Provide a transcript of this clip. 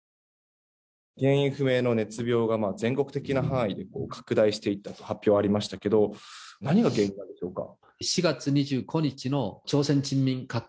原因不明の熱病が全国的な範囲で拡大していったと発表がありましたけど何が原因なんでしょうか。